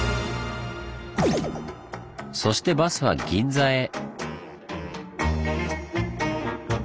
そしてバスは銀座へ。